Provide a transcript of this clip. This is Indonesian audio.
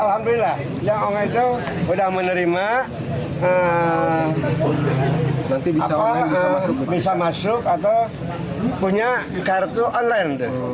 alhamdulillah yang online itu sudah menerima bisa masuk atau punya kartu online